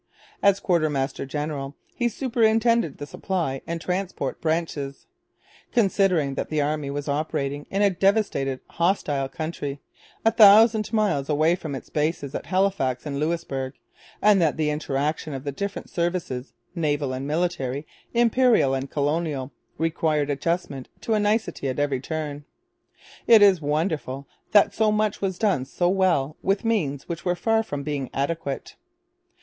As quartermaster general he superintended the supply and transport branches. Considering that the army was operating in a devastated hostile country, a thousand miles away from its bases at Halifax and Louisbourg, and that the interaction of the different services naval and military, Imperial and Colonial required adjustment to a nicety at every turn, it was wonderful that so much was done so well with means which were far from being adequate.